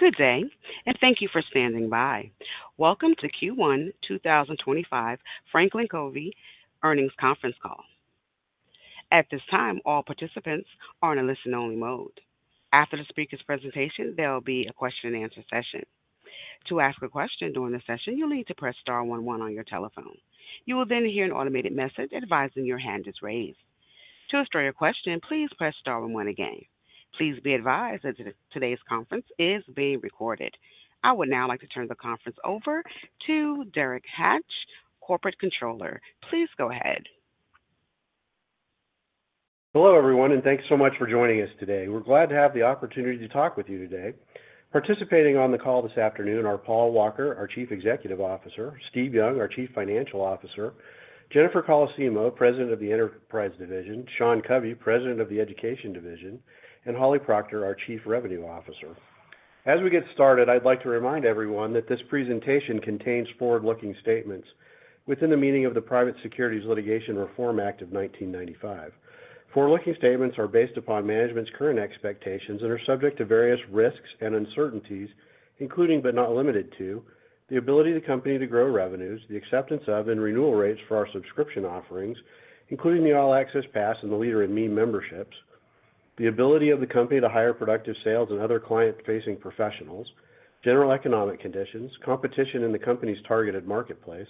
Good day, and thank you for standing by. Welcome to Q1 2025 Franklin Covey Earnings Conference Call. At this time, all participants are in a listen-only mode. After the speaker's presentation, there will be a question-and-answer session. To ask a question during the session, you'll need to press star 11 on your telephone. You will then hear an automated message advising your hand is raised. To ask your question, please press star 11 again. Please be advised that today's conference is being recorded. I would now like to turn the conference over to Derek Hatch, Corporate Controller. Please go ahead. Hello, everyone, and thank you so much for joining us today. We're glad to have the opportunity to talk with you today. Participating on the call this afternoon are Paul Walker, our Chief Executive Officer, Steve Young, our Chief Financial Officer, Jennifer Colosimo, President of the Enterprise Division, Sean Covey, President of the Education Division, and Holly Proctor, our Chief Revenue Officer. As we get started, I'd like to remind everyone that this presentation contains forward-looking statements within the meaning of the Private Securities Litigation Reform Act of 1995. Forward-looking statements are based upon management's current expectations and are subject to various risks and uncertainties, including but not limited to the ability of the company to grow revenues, the acceptance of and renewal rates for our subscription offerings, including the All Access Pass and the Leader in Me memberships, the ability of the company to hire productive sales and other client-facing professionals, general economic conditions, competition in the company's targeted marketplace,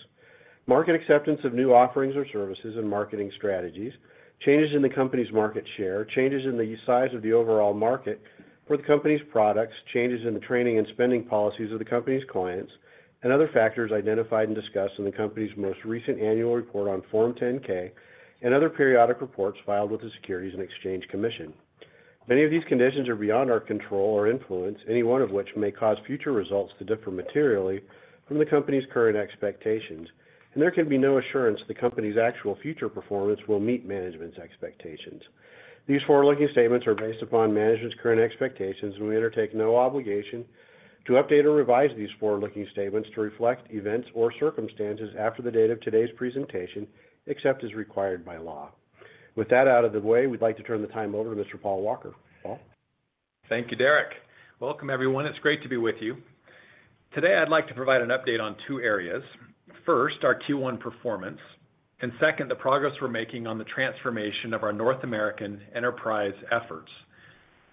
market acceptance of new offerings or services and marketing strategies, changes in the company's market share, changes in the size of the overall market for the company's products, changes in the training and spending policies of the company's clients, and other factors identified and discussed in the company's most recent Annual Report on Form 10-K and other periodic reports filed with the Securities and Exchange Commission. Many of these conditions are beyond our control or influence, any one of which may cause future results to differ materially from the company's current expectations, and there can be no assurance the company's actual future performance will meet management's expectations. These forward-looking statements are based upon management's current expectations, and we undertake no obligation to update or revise these forward-looking statements to reflect events or circumstances after the date of today's presentation, except as required by law. With that out of the way, we'd like to turn the time over to Mr. Paul Walker. Thank you, Derek. Welcome, everyone. It's great to be with you. Today, I'd like to provide an update on two areas. First, our Q1 performance, and second, the progress we're making on the transformation of our North American enterprise efforts,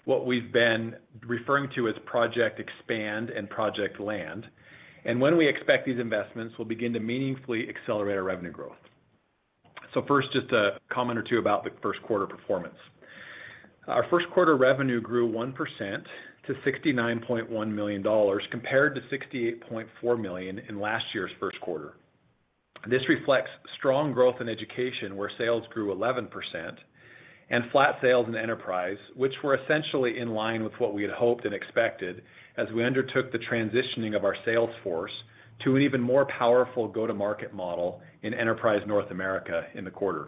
what we've been referring to as Project Expand and Project Land, and when we expect these investments, we'll begin to meaningfully accelerate our revenue growth, so first, just a comment or two about the first quarter performance. Our first quarter revenue grew 1% to $69.1 million compared to $68.4 million in last year's first quarter. This reflects strong growth in education, where sales grew 11%, and flat sales in enterprise, which were essentially in line with what we had hoped and expected as we undertook the transitioning of our sales force to an even more powerful go-to-market model in enterprise North America in the quarter.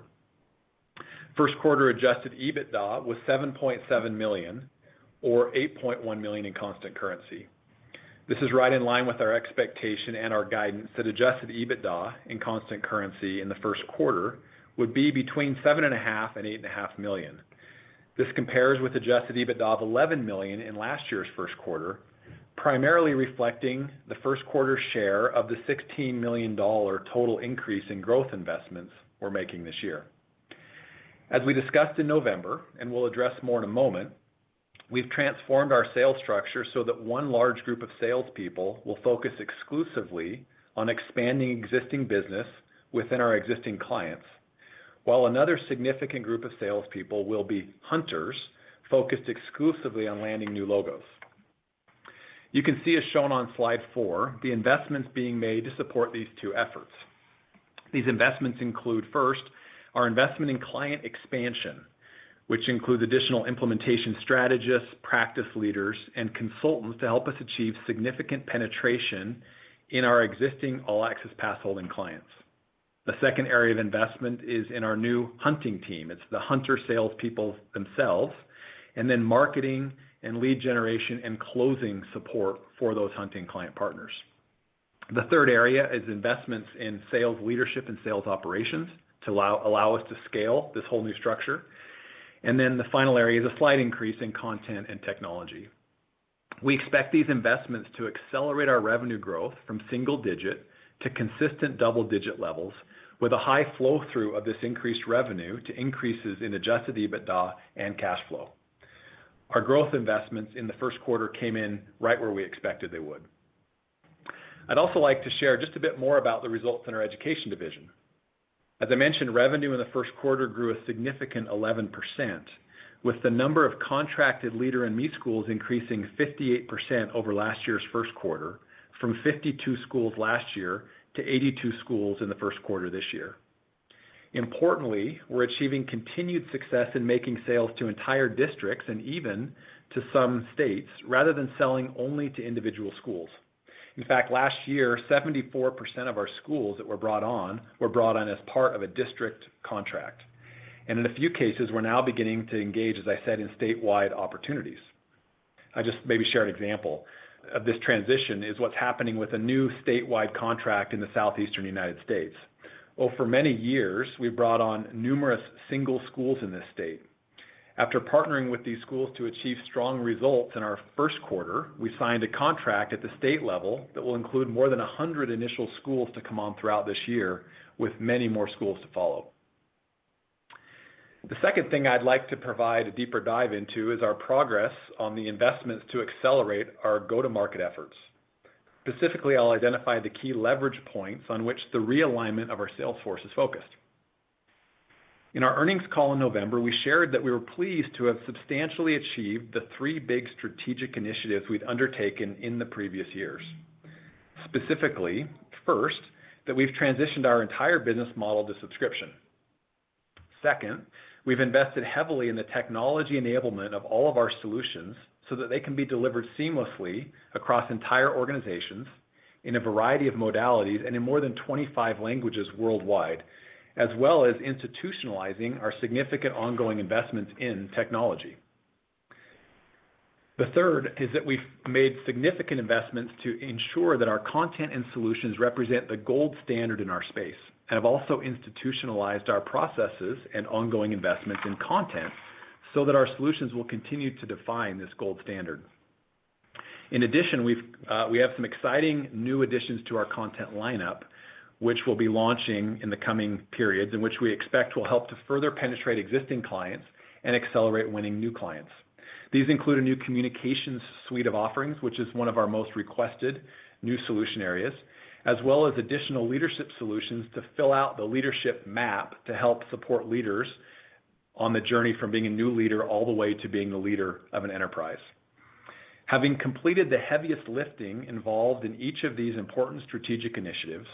First quarter Adjusted EBITDA was $7.7 million, or $8.1 million in Constant Currency. This is right in line with our expectation and our guidance that Adjusted EBITDA in Constant Currency in the first quarter would be between $7.5 and $8.5 million. This compares with Adjusted EBITDA of $11 million in last year's first quarter, primarily reflecting the first quarter share of the $16 million total increase in growth investments we're making this year. As we discussed in November, and we'll address more in a moment, we've transformed our sales structure so that one large group of salespeople will focus exclusively on expanding existing business within our existing clients, while another significant group of salespeople will be hunters focused exclusively on landing new logos. You can see, as shown on slide four, the investments being made to support these two efforts. These investments include, first, our investment in client expansion, which includes additional implementation strategists, practice leaders, and consultants to help us achieve significant penetration in our existing All Access Pass holding clients. The second area of investment is in our new hunting team. It's the hunter salespeople themselves, and then marketing and lead generation and closing support for those hunting client partners. The third area is investments in sales leadership and sales operations to allow us to scale this whole new structure, and then the final area is a slight increase in content and technology. We expect these investments to accelerate our revenue growth from single-digit to consistent double-digit levels, with a high flow-through of this increased revenue to increases in Adjusted EBITDA and cash flow. Our growth investments in the first quarter came in right where we expected they would. I'd also like to share just a bit more about the results in our Education Division. As I mentioned, revenue in the first quarter grew a significant 11%, with the number of contracted Leader in Me schools increasing 58% over last year's first quarter, from 52 schools last year to 82 schools in the first quarter this year. Importantly, we're achieving continued success in making sales to entire districts and even to some states, rather than selling only to individual schools. In fact, last year, 74% of our schools that were brought on were brought on as part of a district contract. And in a few cases, we're now beginning to engage, as I said, in statewide opportunities. I'll just maybe share an example of this transition is what's happening with a new statewide contract in the southeastern United States. For many years, we brought on numerous single schools in this state. After partnering with these schools to achieve strong results in our first quarter, we signed a contract at the state level that will include more than 100 initial schools to come on throughout this year, with many more schools to follow. The second thing I'd like to provide a deeper dive into is our progress on the investments to accelerate our go-to-market efforts. Specifically, I'll identify the key leverage points on which the realignment of our sales force is focused. In our earnings call in November, we shared that we were pleased to have substantially achieved the three big strategic initiatives we'd undertaken in the previous years. Specifically, first, that we've transitioned our entire business model to subscription. Second, we've invested heavily in the technology enablement of all of our solutions so that they can be delivered seamlessly across entire organizations in a variety of modalities and in more than 25 languages worldwide, as well as institutionalizing our significant ongoing investments in technology. The third is that we've made significant investments to ensure that our content and solutions represent the gold standard in our space and have also institutionalized our processes and ongoing investments in content so that our solutions will continue to define this gold standard. In addition, we have some exciting new additions to our content lineup, which we'll be launching in the coming periods, in which we expect will help to further penetrate existing clients and accelerate winning new clients. These include a new Communications Suite of offerings, which is one of our most requested new solution areas, as well as additional leadership solutions to fill out the leadership map to help support leaders on the journey from being a new leader all the way to being the leader of an enterprise. Having completed the heaviest lifting involved in each of these important strategic initiatives,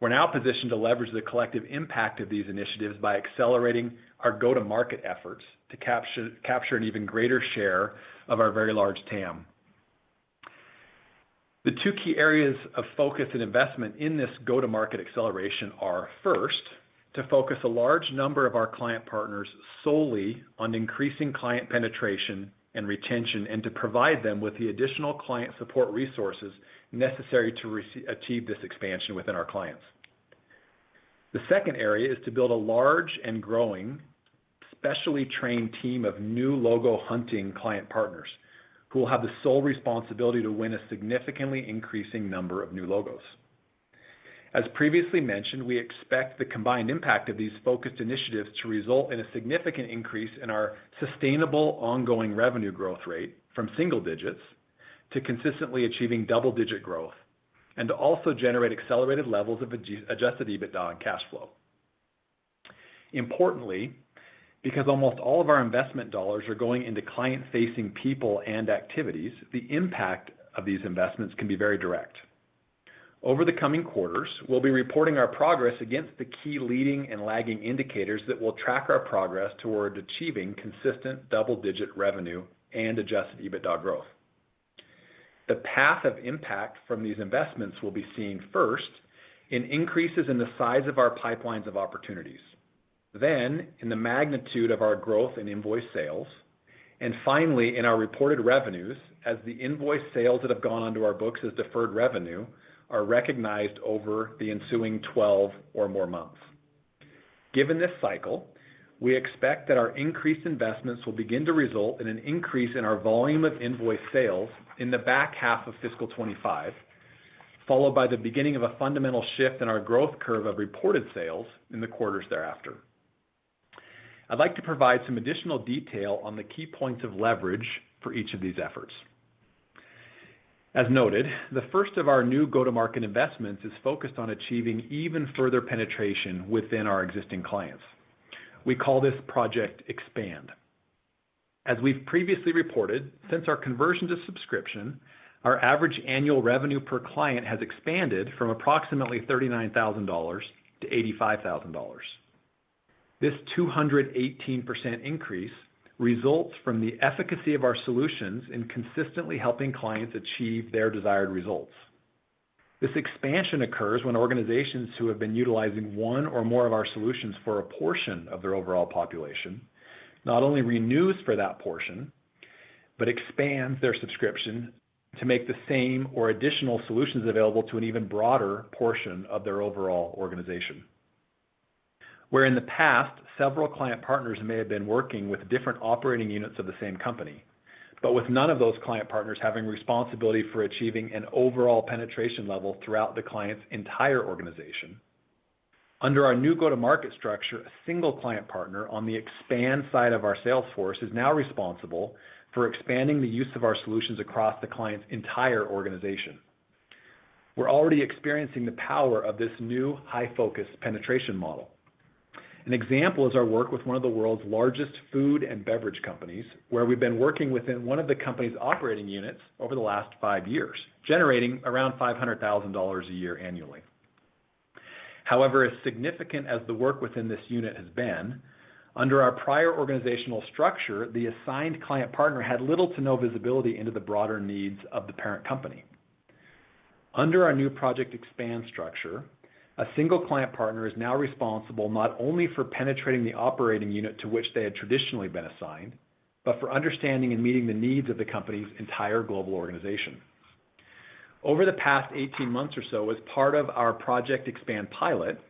we're now positioned to leverage the collective impact of these initiatives by accelerating our Go-to-Market efforts to capture an even greater share of our very large TAM. The two key areas of focus and investment in this Go-to-Market acceleration are, first, to focus a large number of our Client Partners solely on increasing client penetration and retention and to provide them with the additional client support resources necessary to achieve this expansion within our clients. The second area is to build a large and growing, specially trained team of new logo hunting client partners who will have the sole responsibility to win a significantly increasing number of new logos. As previously mentioned, we expect the combined impact of these focused initiatives to result in a significant increase in our sustainable ongoing revenue growth rate from single digits to consistently achieving double-digit growth and to also generate accelerated levels of Adjusted EBITDA and cash flow. Importantly, because almost all of our investment dollars are going into client-facing people and activities, the impact of these investments can be very direct. Over the coming quarters, we'll be reporting our progress against the key leading and lagging indicators that will track our progress toward achieving consistent double-digit revenue and Adjusted EBITDA growth. The path of impact from these investments will be seen, first, in increases in the size of our pipelines of opportunities, then in the magnitude of our growth in invoice sales, and finally, in our reported revenues as the invoice sales that have gone onto our books as deferred revenue are recognized over the ensuing 12 or more months. Given this cycle, we expect that our increased investments will begin to result in an increase in our volume of invoice sales in the back half of fiscal 2025, followed by the beginning of a fundamental shift in our growth curve of reported sales in the quarters thereafter. I'd like to provide some additional detail on the key points of leverage for each of these efforts. As noted, the first of our new go-to-market investments is focused on achieving even further penetration within our existing clients. We call this Project Expand. As we've previously reported, since our conversion to subscription, our average annual revenue per client has expanded from approximately $39,000 to $85,000. This 218% increase results from the efficacy of our solutions in consistently helping clients achieve their desired results. This expansion occurs when organizations who have been utilizing one or more of our solutions for a portion of their overall population not only renews for that portion, but expands their subscription to make the same or additional solutions available to an even broader portion of their overall organization. Where in the past, several client partners may have been working with different operating units of the same company, but with none of those client partners having responsibility for achieving an overall penetration level throughout the client's entire organization, under our new go-to-market structure, a single client partner on the expand side of our sales force is now responsible for expanding the use of our solutions across the client's entire organization. We're already experiencing the power of this new high-focus penetration model. An example is our work with one of the world's largest food and beverage companies, where we've been working within one of the company's operating units over the last five years, generating around $500,000 a year annually. However, as significant as the work within this unit has been, under our prior organizational structure, the assigned client partner had little to no visibility into the broader needs of the parent company. Under our new Project Expand structure, a single client partner is now responsible not only for penetrating the operating unit to which they had traditionally been assigned, but for understanding and meeting the needs of the company's entire global organization. Over the past 18 months or so, as part of our Project Expand pilot,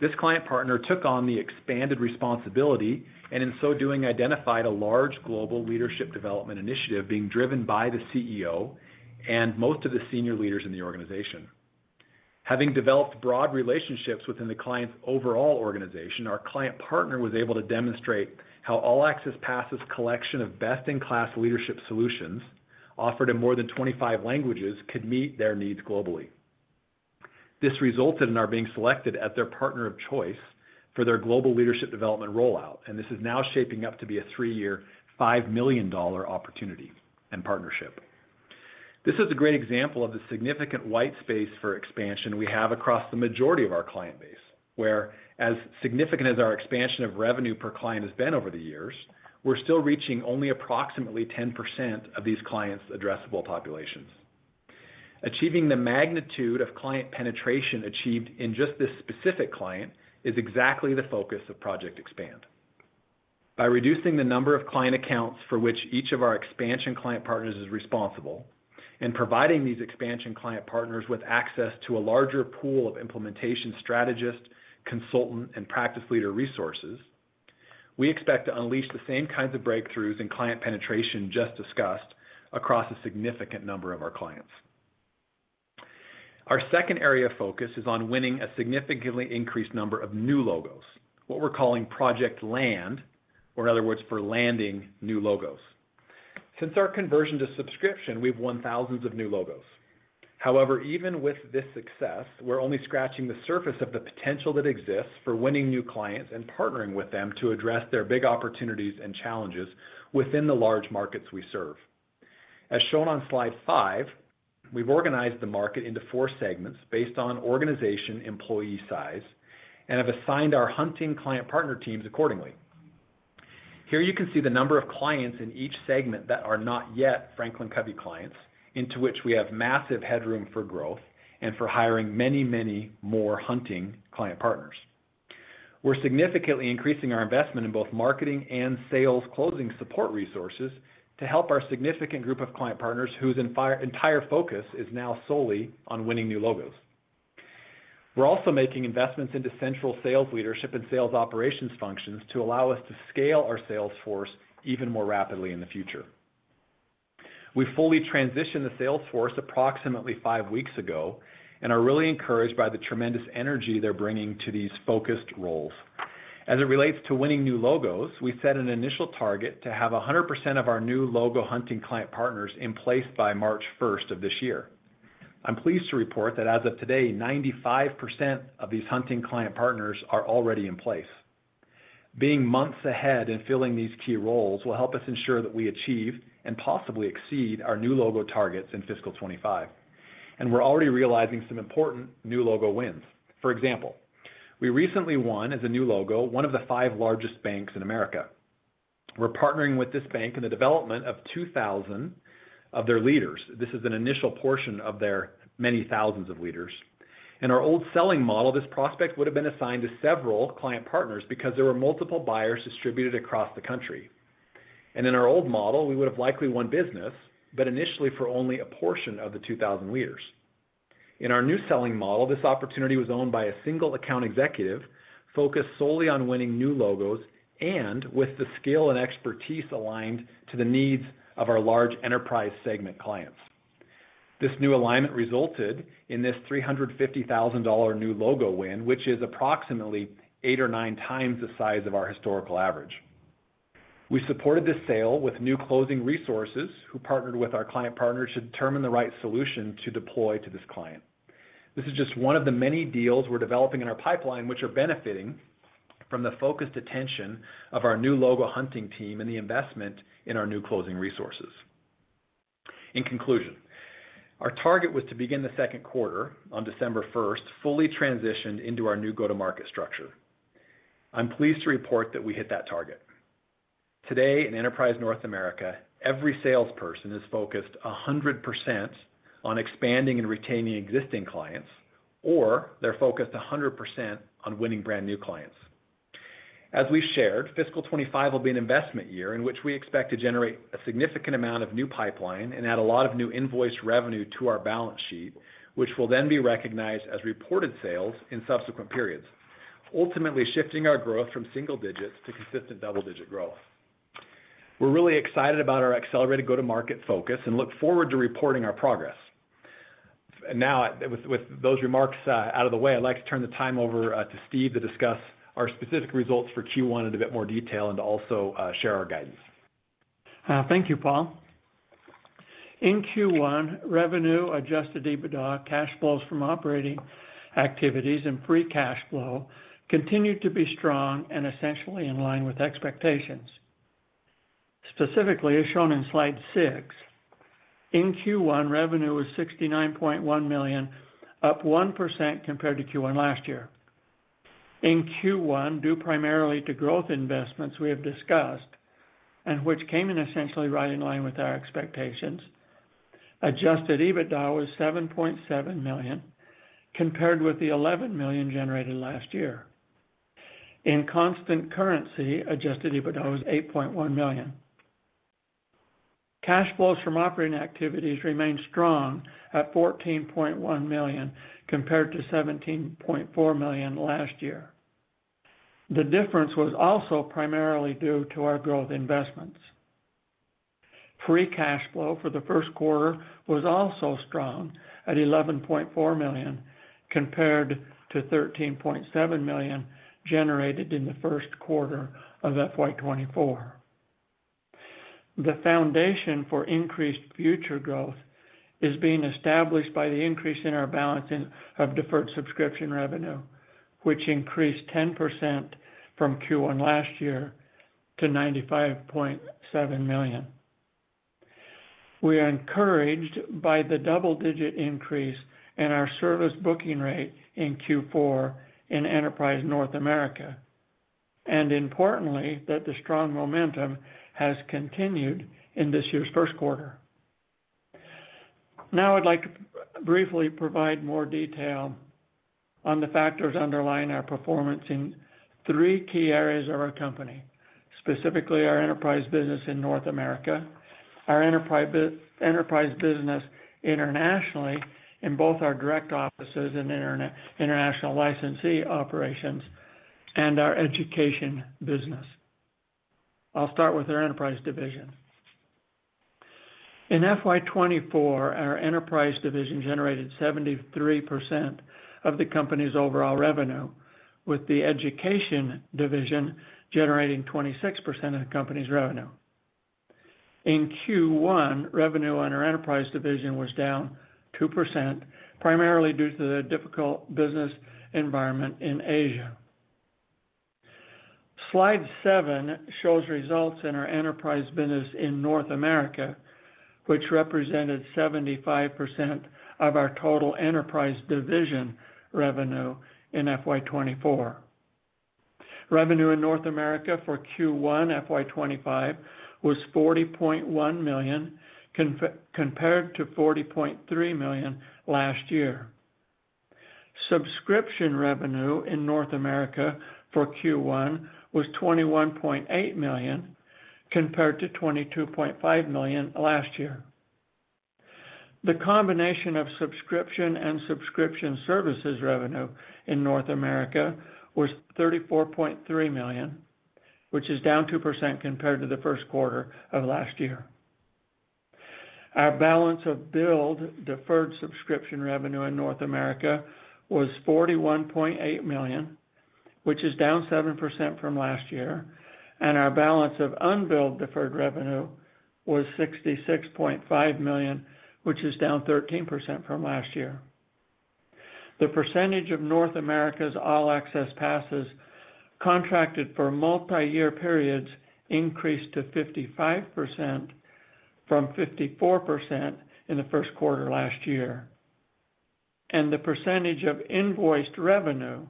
this client partner took on the expanded responsibility and in so doing identified a large global leadership development initiative being driven by the CEO and most of the senior leaders in the organization. Having developed broad relationships within the client's overall organization, our client partner was able to demonstrate how All Access Pass's collection of best-in-class leadership solutions offered in more than 25 languages could meet their needs globally. This resulted in our being selected as their partner of choice for their global leadership development rollout, and this is now shaping up to be a three-year $5 million opportunity and partnership. This is a great example of the significant white space for expansion we have across the majority of our client base, where, as significant as our expansion of revenue per client has been over the years, we're still reaching only approximately 10% of these clients' addressable populations. Achieving the magnitude of client penetration achieved in just this specific client is exactly the focus of Project Expand. By reducing the number of client accounts for which each of our expansion client partners is responsible and providing these expansion client Partners with access to a larger pool of Implementation Strategists, consultants, and Practice Leader resources, we expect to unleash the same kinds of breakthroughs in client penetration just discussed across a significant number of our clients. Our second area of focus is on winning a significantly increased number of new logos, what we're calling Project Land, or in other words, for landing new logos. Since our conversion to subscription, we've won thousands of new logos. However, even with this success, we're only scratching the surface of the potential that exists for winning new clients and partnering with them to address their big opportunities and challenges within the large markets we serve. As shown on slide five, we've organized the market into four segments based on organization employee size and have assigned our hunting client partner teams accordingly. Here you can see the number of clients in each segment that are not yet Franklin Covey clients, into which we have massive headroom for growth and for hiring many, many more hunting client partners. We're significantly increasing our investment in both marketing and sales closing support resources to help our significant group of client partners whose entire focus is now solely on winning new logos. We're also making investments into central sales leadership and sales operations functions to allow us to scale our sales force even more rapidly in the future. We fully transitioned the sales force approximately five weeks ago and are really encouraged by the tremendous energy they're bringing to these focused roles. As it relates to winning new logos, we set an initial target to have 100% of our new logo hunting client partners in place by March 1st of this year. I'm pleased to report that as of today, 95% of these hunting client partners are already in place. Being months ahead in filling these key roles will help us ensure that we achieve and possibly exceed our new logo targets in fiscal 2025, and we're already realizing some important new logo wins. For example, we recently won as a new logo one of the five largest banks in America. We're partnering with this bank in the development of 2,000 of their leaders. This is an initial portion of their many thousands of leaders. In our old selling model, this prospect would have been assigned to several client partners because there were multiple buyers distributed across the country. And in our old model, we would have likely won business, but initially for only a portion of the 2,000 leaders. In our new selling model, this opportunity was owned by a single account executive focused solely on winning new logos and with the skill and expertise aligned to the needs of our large enterprise segment clients. This new alignment resulted in this $350,000 new logo win, which is approximately eight or nine times the size of our historical average. We supported this sale with new closing resources who partnered with our client partners to determine the right solution to deploy to this client. This is just one of the many deals we're developing in our pipeline, which are benefiting from the focused attention of our new logo hunting team and the investment in our new closing resources. In conclusion, our target was to begin the second quarter on December 1st, fully transitioned into our new go-to-market structure. I'm pleased to report that we hit that target. Today in enterprise North America, every salesperson is focused 100% on expanding and retaining existing clients, or they're focused 100% on winning brand new clients. As we shared, fiscal 2025 will be an investment year in which we expect to generate a significant amount of new pipeline and add a lot of new invoice revenue to our balance sheet, which will then be recognized as reported sales in subsequent periods, ultimately shifting our growth from single digits to consistent double-digit growth. We're really excited about our accelerated go-to-market focus and look forward to reporting our progress. Now, with those remarks out of the way, I'd like to turn the time over to Steve to discuss our specific results for Q1 in a bit more detail and also share our guidance. Thank you, Paul. In Q1, revenue, Adjusted EBITDA, cash flows from operating activities, and free cash flow continued to be strong and essentially in line with expectations. Specifically, as shown in slide six, in Q1, revenue was $69.1 million, up 1% compared to Q1 last year. In Q1, due primarily to growth investments we have discussed and which came in essentially right in line with our expectations, Adjusted EBITDA was $7.7 million compared with the $11 million generated last year. In constant currency, Adjusted EBITDA was $8.1 million. Cash flows from operating activities remained strong at $14.1 million compared to $17.4 million last year. The difference was also primarily due to our growth investments. Free cash flow for the first quarter was also strong at $11.4 million compared to $13.7 million generated in the first quarter of FY24. The foundation for increased future growth is being established by the increase in our balance of deferred subscription revenue, which increased 10% from Q1 last year to $95.7 million. We are encouraged by the double-digit increase in our service booking rate in Q4 in enterprise North America and, importantly, that the strong momentum has continued in this year's first quarter. Now, I'd like to briefly provide more detail on the factors underlying our performance in three key areas of our company, specifically our enterprise business in North America, our enterprise business internationally in both our direct offices and international licensee operations, and our education business. I'll start with our enterprise division. In FY24, our enterprise division generated 73% of the company's overall revenue, with the education division generating 26% of the company's revenue. In Q1, revenue on our enterprise division was down 2%, primarily due to the difficult business environment in Asia. Slide seven shows results in our enterprise business in North America, which represented 75% of our total enterprise division revenue in FY24. Revenue in North America for Q1 FY25 was $40.1 million compared to $40.3 million last year. Subscription revenue in North America for Q1 was $21.8 million compared to $22.5 million last year. The combination of subscription and subscription services revenue in North America was $34.3 million, which is down 2% compared to the first quarter of last year. Our balance of billed deferred subscription revenue in North America was $41.8 million, which is down 7% from last year, and our balance of unbilled deferred revenue was $66.5 million, which is down 13% from last year. The percentage of North America's All Access Passes contracted for multi-year periods increased to 55% from 54% in the first quarter last year, and the percentage of invoiced revenue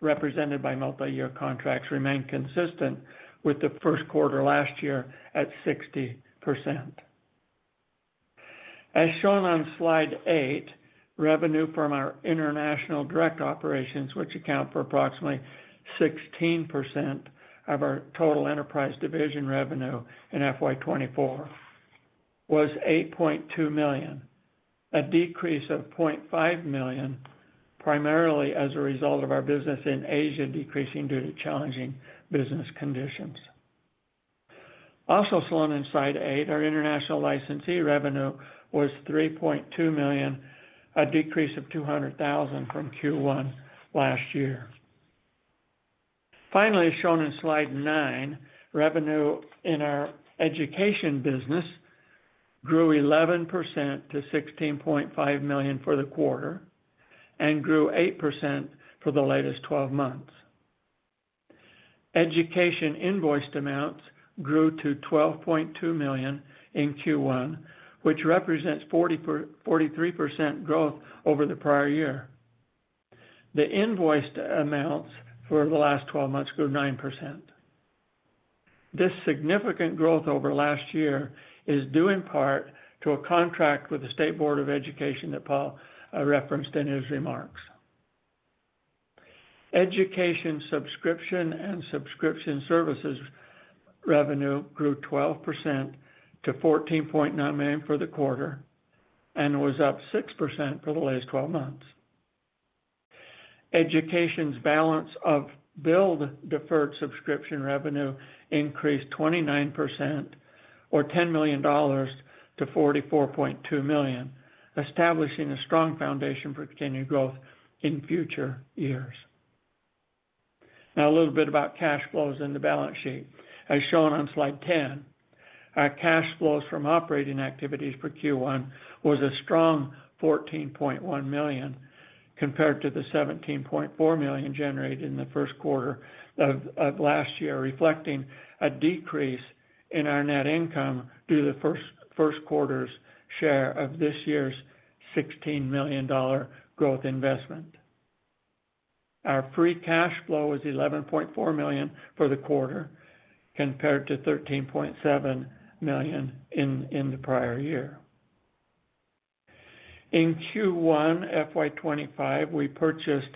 represented by multi-year contracts remained consistent with the first quarter last year at 60%. As shown on Slide 8, revenue from our international direct operations, which account for approximately 16% of our total enterprise division revenue in FY24, was $8.2 million, a decrease of $0.5 million primarily as a result of our business in Asia decreasing due to challenging business conditions. Also shown on Slide 8, our international licensee revenue was $3.2 million, a decrease of $200,000 from Q1 last year. Finally, as shown in slide nine, revenue in our education business grew 11% to $16.5 million for the quarter and grew 8% for the latest 12 months. Education invoiced amounts grew to $12.2 million in Q1, which represents 43% growth over the prior year. The invoiced amounts for the last 12 months grew 9%. This significant growth over last year is due in part to a contract with the State Board of Education that Paul referenced in his remarks. Education subscription and subscription services revenue grew 12% to $14.9 million for the quarter and was up 6% for the latest 12 months. Education's balance of billed deferred subscription revenue increased 29%, or $10 million, to $44.2 million, establishing a strong foundation for continued growth in future years. Now, a little bit about cash flows in the balance sheet. As shown on slide 10, our cash flows from operating activities for Q1 was a strong $14.1 million compared to the $17.4 million generated in the first quarter of last year, reflecting a decrease in our net income due to the first quarter's share of this year's $16 million growth investment. Our free cash flow was $11.4 million for the quarter compared to $13.7 million in the prior year. In Q1 FY25, we purchased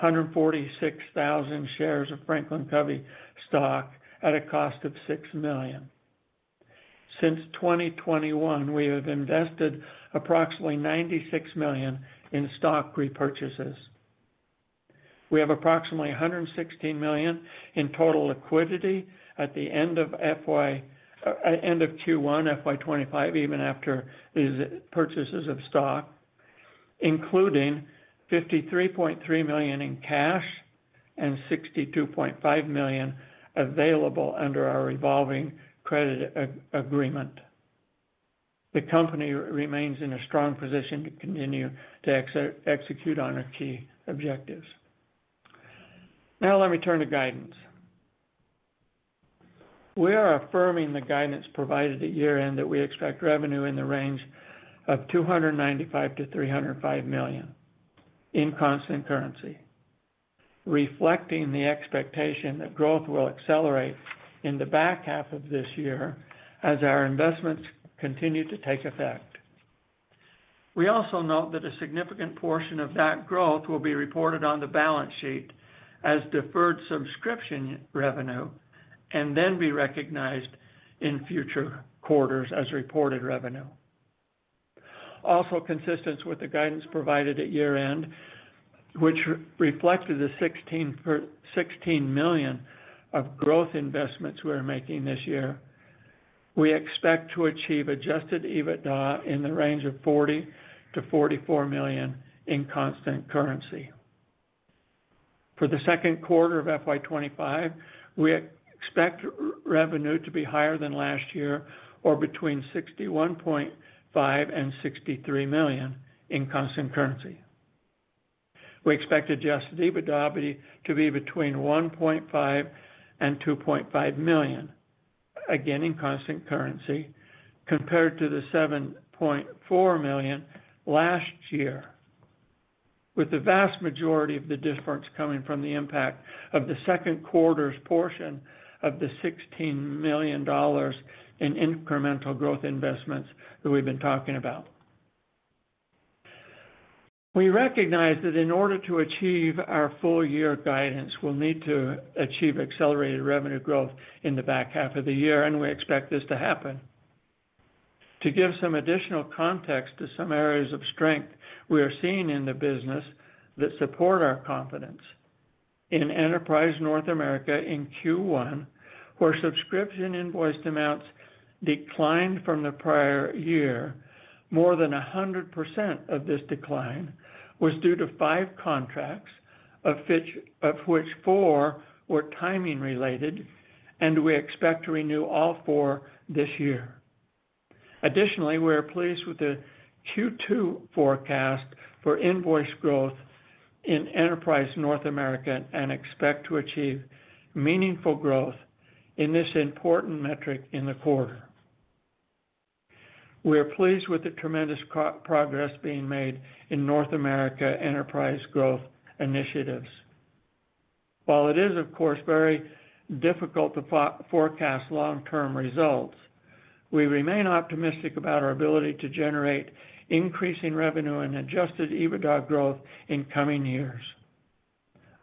146,000 shares of Franklin Covey stock at a cost of $6 million. Since 2021, we have invested approximately $96 million in stock repurchases. We have approximately $116 million in total liquidity at the end of Q1 FY25, even after these purchases of stock, including $53.3 million in cash and $62.5 million available under our evolving credit agreement. The company remains in a strong position to continue to execute on our key objectives. Now, let me turn to guidance. We are affirming the guidance provided at year-end that we expect revenue in the range of $295 million to $305 million in constant currency, reflecting the expectation that growth will accelerate in the back half of this year as our investments continue to take effect. We also note that a significant portion of that growth will be reported on the balance sheet as deferred subscription revenue and then be recognized in future quarters as reported revenue. Also, consistent with the guidance provided at year-end, which reflected the $16 million of growth investments we're making this year, we expect to achieve Adjusted EBITDA in the range of $40 million to $44 million in constant currency. For the second quarter of FY25, we expect revenue to be higher than last year, or between $61.5 million and $63 million in constant currency. We expect Adjusted EBITDA to be between $1.5-$2.5 million, again in constant currency, compared to the $7.4 million last year, with the vast majority of the difference coming from the impact of the second quarter's portion of the $16 million in incremental growth investments that we've been talking about. We recognize that in order to achieve our full-year guidance, we'll need to achieve accelerated revenue growth in the back half of the year, and we expect this to happen. To give some additional context to some areas of strength we are seeing in the business that support our confidence, in enterprise North America in Q1, where subscription invoiced amounts declined from the prior year, more than 100% of this decline was due to five contracts, of which four were timing-related, and we expect to renew all four this year. Additionally, we are pleased with the Q2 forecast for invoice growth in enterprise North America and expect to achieve meaningful growth in this important metric in the quarter. We are pleased with the tremendous progress being made in North America enterprise growth initiatives. While it is, of course, very difficult to forecast long-term results, we remain optimistic about our ability to generate increasing revenue and Adjusted EBITDA growth in coming years,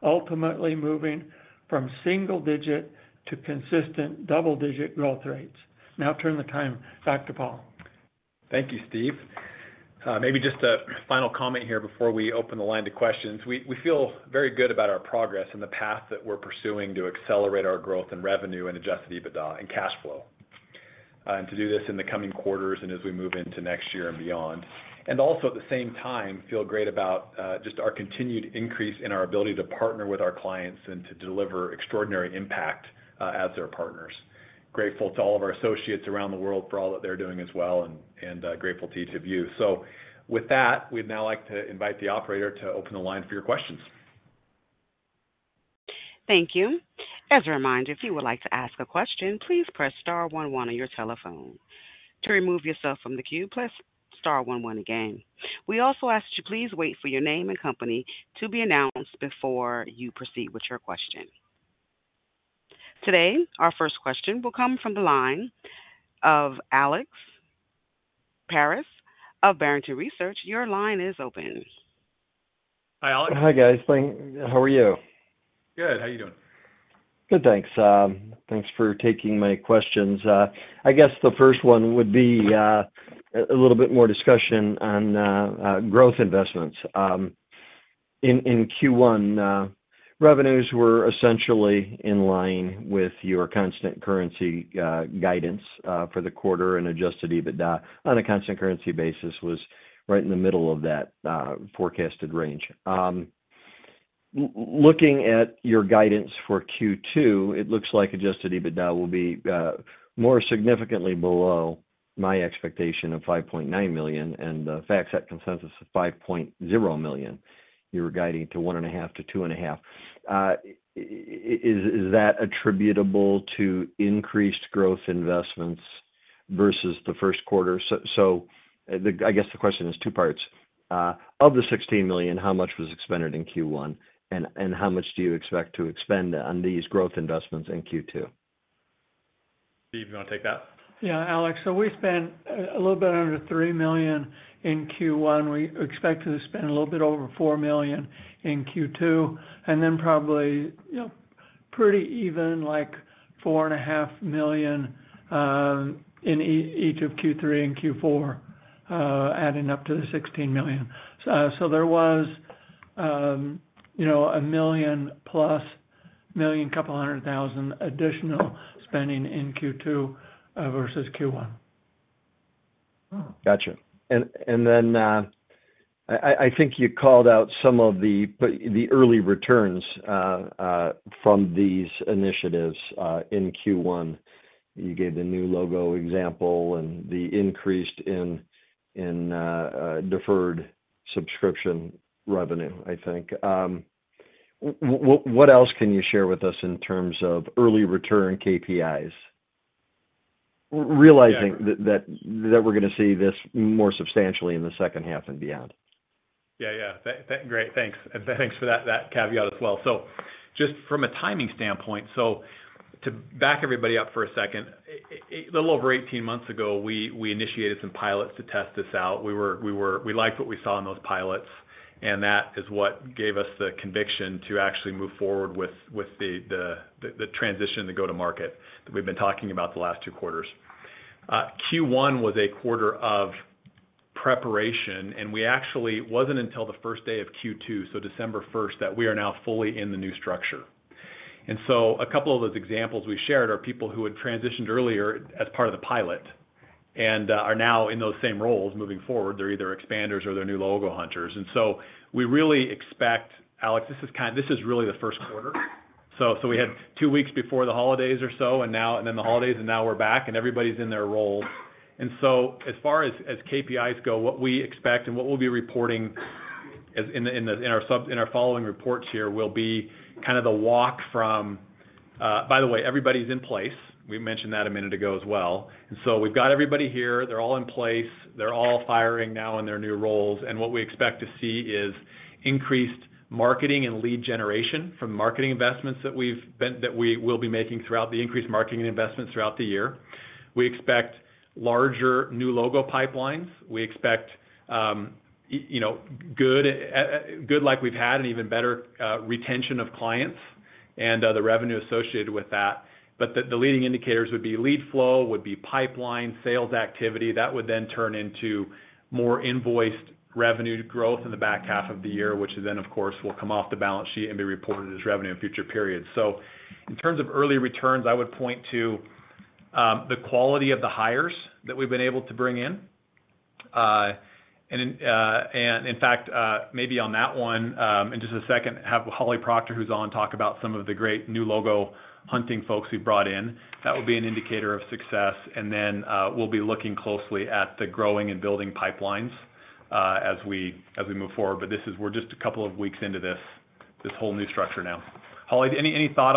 ultimately moving from single-digit to consistent double-digit growth rates. Now, I'll turn the time back to Paul. Thank you, Steve. Maybe just a final comment here before we open the line to questions. We feel very good about our progress and the path that we're pursuing to accelerate our growth and revenue and Adjusted EBITDA and cash flow, and to do this in the coming quarters and as we move into next year and beyond. And also, at the same time, feel great about just our continued increase in our ability to partner with our clients and to deliver extraordinary impact as their partners. Grateful to all of our associates around the world for all that they're doing as well and grateful to each of you. So with that, we'd now like to invite the operator to open the line for your questions. Thank you. As a reminder, if you would like to ask a question, please press star 11 on your telephone. To remove yourself from the queue, press star 11 again. We also ask that you please wait for your name and company to be announced before you proceed with your question. Today, our first question will come from the line of Alex Paris of Barrington Research. Your line is open. Hi, Alex. Hi, guys. How are you? Good. How are you doing? Good, thanks. Thanks for taking my questions. I guess the first one would be a little bit more discussion on growth investments. In Q1, revenues were essentially in line with your Constant Currency guidance for the quarter and Adjusted EBITDA on a Constant Currency basis was right in the middle of that forecasted range. Looking at your guidance for Q2, it looks like Adjusted EBITDA will be more significantly below my expectation of $5.9 million and the FactSet consensus of $5.0 million. You were guiding to $1.5 million-$2.5 million. Is that attributable to increased growth investments versus the first quarter? So I guess the question has two parts. Of the $16 million, how much was expended in Q1, and how much do you expect to expend on these growth investments in Q2? Steve, you want to take that? Yeah, Alex. So we spent a little bit under $3 million in Q1. We expect to spend a little bit over $4 million in Q2, and then probably pretty even like $4.5 million in each of Q3 and Q4, adding up to the $16 million. So there was a million-plus million, couple hundred thousand additional spending in Q2 versus Q1. Gotcha. And then I think you called out some of the early returns from these initiatives in Q1. You gave the new logo example and the increase in deferred subscription revenue, I think. What else can you share with us in terms of early return KPIs, realizing that we're going to see this more substantially in the second half and beyond? Yeah, yeah. Great. Thanks. Thanks for that caveat as well. So just from a timing standpoint, so to back everybody up for a second, a little over 18 months ago, we initiated some pilots to test this out. We liked what we saw in those pilots, and that is what gave us the conviction to actually move forward with the transition, the go-to-market that we've been talking about the last two quarters. Q1 was a quarter of preparation, and it wasn't until the first day of Q2, so December 1, that we are now fully in the new structure. And so a couple of those examples we shared are people who had transitioned earlier as part of the pilot and are now in those same roles moving forward. They're either expanders or they're new logo hunters. And so we really expect, Alex, this is really the first quarter. So we had two weeks before the holidays or so, and then the holidays, and now we're back, and everybody's in their roles. And so as far as KPIs go, what we expect and what we'll be reporting in our following reports here will be kind of the walk from, by the way, everybody's in place. We mentioned that a minute ago as well. And so we've got everybody here. They're all in place. They're all firing now in their new roles. And what we expect to see is increased marketing and lead generation from marketing investments that we will be making throughout the increased marketing investments throughout the year. We expect larger new logo pipelines. We expect good like we've had and even better retention of clients and the revenue associated with that. But the leading indicators would be lead flow, would be pipeline, sales activity. That would then turn into more invoiced revenue growth in the back half of the year, which then, of course, will come off the balance sheet and be reported as revenue in future periods. So in terms of early returns, I would point to the quality of the hires that we've been able to bring in. And in fact, maybe on that one, in just a second, have Holly Proctor, who's on, talk about some of the great new logo hunting folks we've brought in. That would be an indicator of success. And then we'll be looking closely at the growing and building pipelines as we move forward. But we're just a couple of weeks into this whole new structure now. Holly, any thought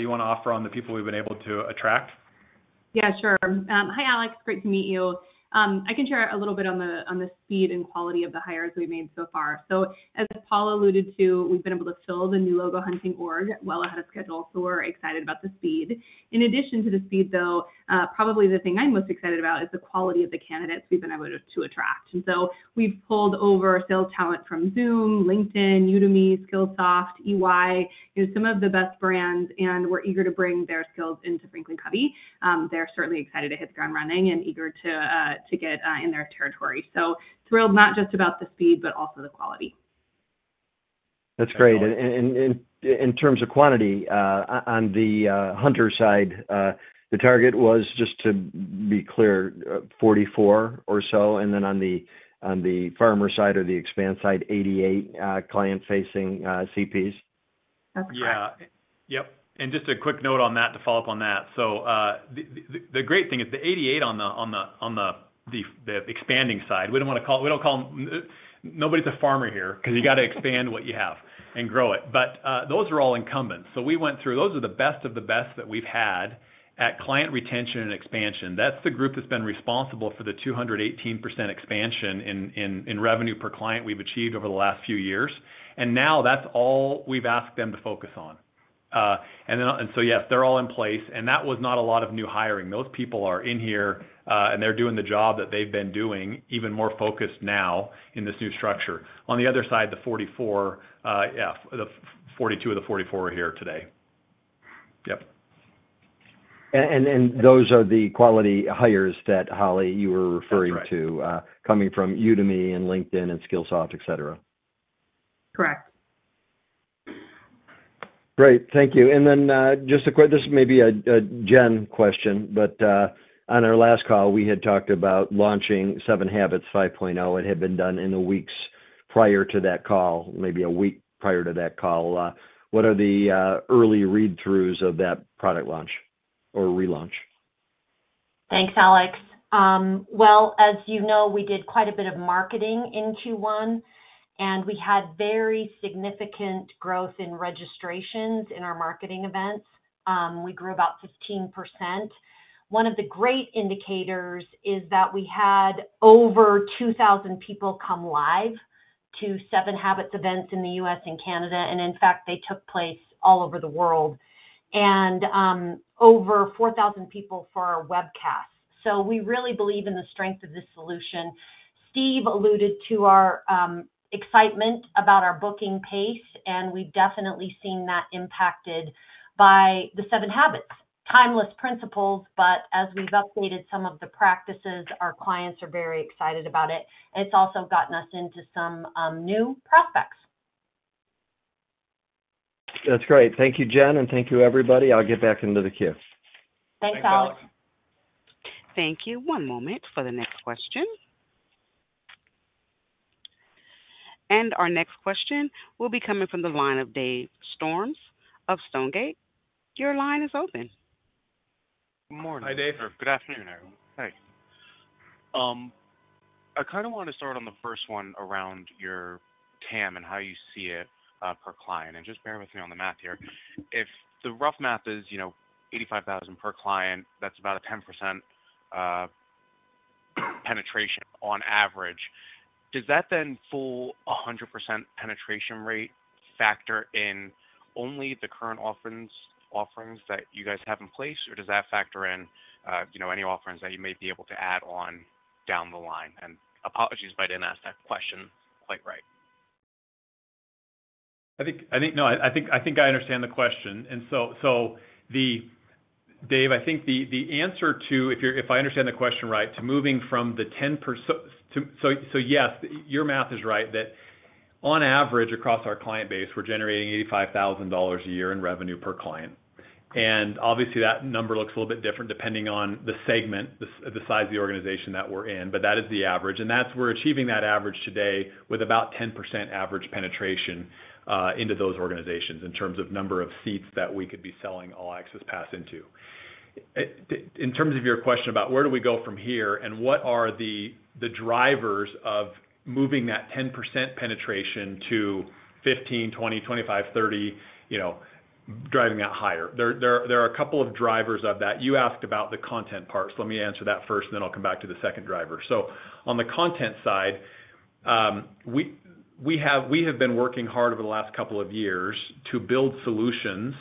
you want to offer on the people we've been able to attract? Yeah, sure. Hi, Alex. Great to meet you. I can share a little bit on the speed and quality of the hires we've made so far, so as Paul alluded to, we've been able to fill the new logo hunting org well ahead of schedule, so we're excited about the speed. In addition to the speed, though, probably the thing I'm most excited about is the quality of the candidates we've been able to attract, and so we've pulled over sales talent from Zoom, LinkedIn, Udemy, Skillsoft, EY, some of the best brands, and we're eager to bring their skills into Franklin Covey. They're certainly excited to hit the ground running and eager to get in their territory, so thrilled not just about the speed, but also the quality. That's great, and in terms of quantity, on the hunter side, the target was, just to be clear, 44 or so. And then on the farmer side or the expand side, 88 client-facing CPs. Yeah. Yep. And just a quick note on that, to follow up on that. So the great thing is the 88 on the expanding side. We don't want to call nobody's a farmer here because you got to expand what you have and grow it. But those are all incumbents. So we went through. Those are the best of the best that we've had at client retention and expansion. That's the group that's been responsible for the 218% expansion in revenue per client we've achieved over the last few years. And now that's all we've asked them to focus on. And so, yes, they're all in place. And that was not a lot of new hiring. Those people are in here, and they're doing the job that they've been doing, even more focused now in this new structure. On the other side, the 44, yeah, 42 of the 44 are here today. Yep. And those are the quality hires that, Holly, you were referring to coming from Udemy and LinkedIn and Skillsoft, etc.? Correct. Great. Thank you. And then just a quick this may be a Jen question, but on our last call, we had talked about launching 7 Habits 5.0. It had been done in the weeks prior to that call, maybe a week prior to that call. What are the early read-throughs of that product launch or relaunch? Thanks, Alex. Well, as you know, we did quite a bit of marketing in Q1, and we had very significant growth in registrations in our marketing events. We grew about 15%. One of the great indicators is that we had over 2,000 people come live to 7 Habits events in the U.S. and Canada, and in fact, they took place all over the world, and over 4,000 people for our webcast. So we really believe in the strength of this solution. Steve alluded to our excitement about our booking pace, and we've definitely seen that impacted by the 7 Habits. Timeless principles, but as we've updated some of the practices, our clients are very excited about it. It's also gotten us into some new prospects. That's great. Thank you, Jen, and thank you, everybody. I'll get back into the queue. Thanks, Alex. Thank you. One moment for the next question, and our next question will be coming from the line of Dave Storms of Stonegate. Your line is open. Good morning. Hi, Dave. Good afternoon, everyone. Hi. I kind of want to start on the first one around your TAM and how you see it per client, and just bear with me on the math here. If the rough math is $85,000 per client, that's about a 10% penetration on average. Does that then full 100% penetration rate factor in only the current offerings that you guys have in place, or does that factor in any offerings that you may be able to add on down the line, and apologies if I didn't ask that question quite right? I think no. I think I understand the question, and so, Dave, I think the answer to, if I understand the question right, to moving from the 10% so yes, your math is right that on average, across our client base, we're generating $85,000 a year in revenue per client. And obviously, that number looks a little bit different depending on the segment, the size of the organization that we're in, but that is the average. And we're achieving that average today with about 10% average penetration into those organizations in terms of number of seats that we could be selling All Access Pass into. In terms of your question about where do we go from here and what are the drivers of moving that 10% penetration to 15, 20, 25, 30, driving that higher? There are a couple of drivers of that. You asked about the content part. So let me answer that first, and then I'll come back to the second driver. So on the content side, we have been working hard over the last couple of years to build solutions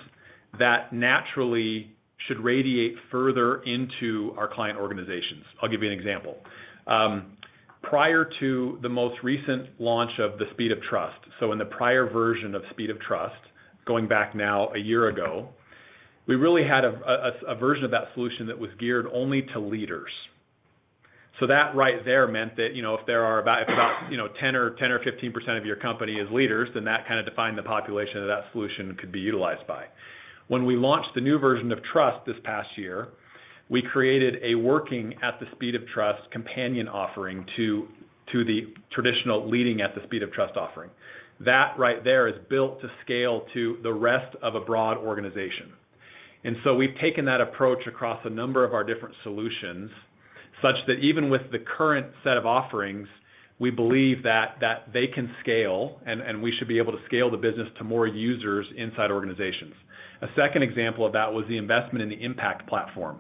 that naturally should radiate further into our client organizations. I'll give you an example. Prior to the most recent launch of the Speed of Trust, so in the prior version of Speed of Trust, going back now a year ago, we really had a version of that solution that was geared only to leaders. So that right there meant that if there are about 10% or 15% of your company is leaders, then that kind of defined the population that that solution could be utilized by. When we launched the new version of Trust this past year, we created a working at the Speed of Trust companion offering to the traditional leading at the Speed of Trust offering. That right there is built to scale to the rest of a broad organization. And so we've taken that approach across a number of our different solutions such that even with the current set of offerings, we believe that they can scale, and we should be able to scale the business to more users inside organizations. A second example of that was the investment in the Impact platform,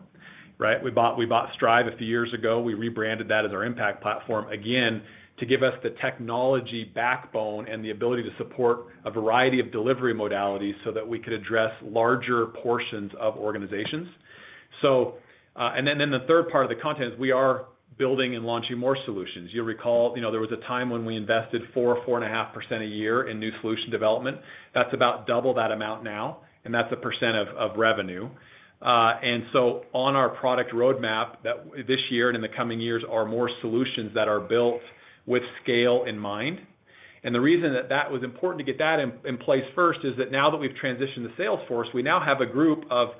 right? We bought Strive a few years ago. We rebranded that as our Impact platform again to give us the technology backbone and the ability to support a variety of delivery modalities so that we could address larger portions of organizations. And then the third part of the content is we are building and launching more solutions. You'll recall there was a time when we invested 4-4.5% a year in new solution development. That's about double that amount now, and that's a percent of revenue. So on our product roadmap this year and in the coming years are more solutions that are built with scale in mind. The reason that that was important to get that in place first is that now that we've transitioned to Salesforce, we now have a group of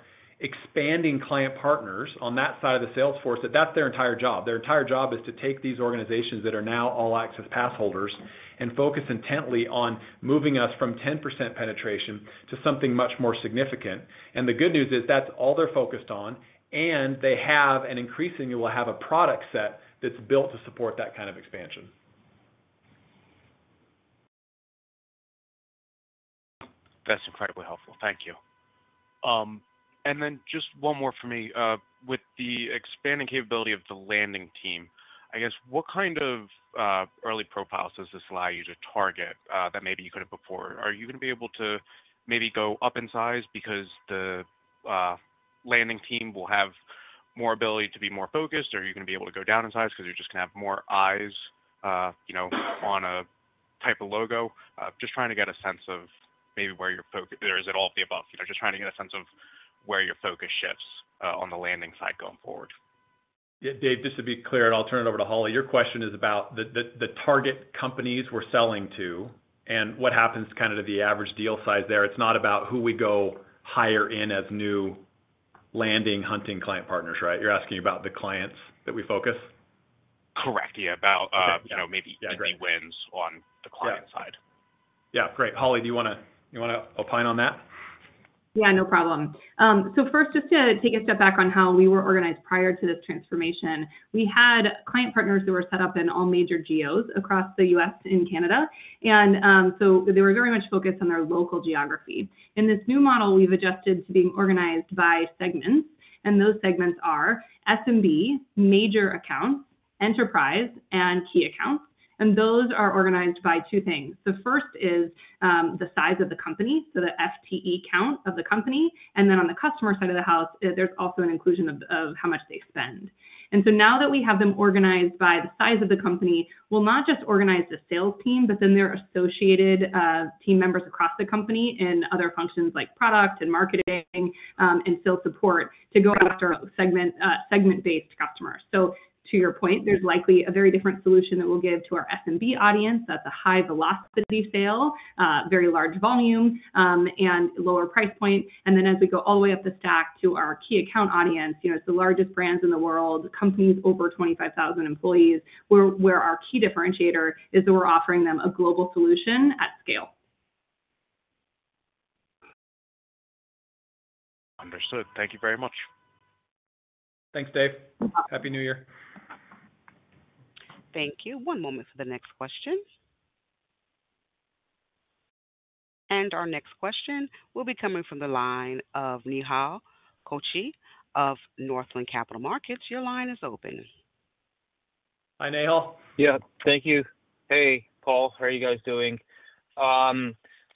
expander Client Partners on that side of the Salesforce that that's their entire job. Their entire job is to take these organizations that are now All Access Pass holders and focus intently on moving us from 10% penetration to something much more significant. The good news is that's all they're focused on, and they have an increasingly will have a product set that's built to support that kind of expansion. That's incredibly helpful. Thank you. And then just one more for me. With the expanding capability of the landing team, I guess, what kind of early profiles does this allow you to target that maybe you couldn't before? Are you going to be able to maybe go up in size because the landing team will have more ability to be more focused, or are you going to be able to go down in size because you're just going to have more eyes on a type of logo? Just trying to get a sense of maybe where you're focused or is it all of the above? Just trying to get a sense of where your focus shifts on the landing side going forward. Yeah, Dave, just to be clear, and I'll turn it over to Holly. Your question is about the target companies we're selling to and what happens kind of to the average deal size there. It's not about who we go hire in as new land-and-hunt client partners, right? You're asking about the clients that we focus? Correct. Yeah, about maybe wins on the client side. Yeah. Yeah. Great. Holly, do you want to opine on that? Yeah, no problem. So first, just to take a step back on how we were organized prior to this transformation. We had client partners who were set up in all major geos across the U.S. and Canada, and so they were very much focused on their local geography. In this new model, we've adjusted to being organized by segments, and those segments are SMB, major accounts, enterprise, and key accounts, and those are organized by two things. The first is the size of the company, so the FTE count of the company. And then on the customer side of the house, there's also an inclusion of how much they spend. And so now that we have them organized by the size of the company, we'll not just organize the sales team, but then their associated team members across the company in other functions like product and marketing and sales support to go after segment-based customers. So to your point, there's likely a very different solution that we'll give to our SMB audience. That's a high-velocity sale, very large volume, and lower price point. And then as we go all the way up the stack to our key account audience, it's the largest brands in the world, companies over 25,000 employees, where our key differentiator is that we're offering them a global solution at scale. Understood. Thank you very much. Thanks, Dave. Happy New Year. Thank you. One moment for the next question. Our next question will be coming from the line of Nehal Chokshi of Northland Capital Markets. Your line is open. Hi, Nihal. Yeah. Thank you. Hey, Paul. How are you guys doing?